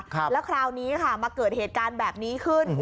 แล้วคราวนี้ค่ะมาเกิดเหตุการณ์แบบนี้ขึ้น